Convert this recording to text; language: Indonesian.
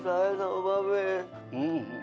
sayang sama mbak bebe